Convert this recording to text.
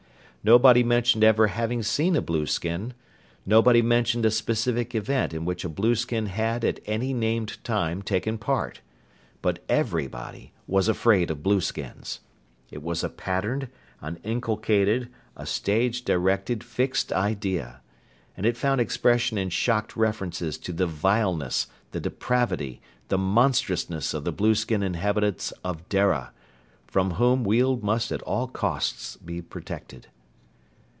Nobody mentioned ever having seen a blueskin. Nobody mentioned a specific event in which a blueskin had at any named time taken part. But everybody was afraid of blueskins. It was a patterned, an inculcated, a stage directed fixed idea. And it found expression in shocked references to the vileness, the depravity, the monstrousness of the blueskin inhabitants of Dara, from whom Weald must at all costs be protected.